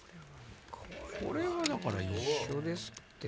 これはだから一緒ですって。